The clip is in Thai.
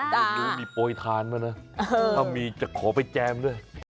ไม่รู้มีโปรยทานมานะถ้ามีจะขอไปแจมด้วย